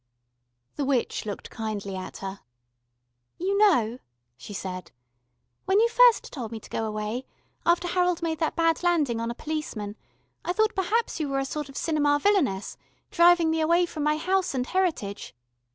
The witch looked kindly at her. "You know," she said, "when you first told me to go away, after Harold made that bad landing on a policeman, I thought perhaps you were a sort of cinema villainess, driving me away from my house and heritage.